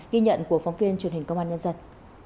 ghi nhận của phóng viên truyền hình công an nhân dân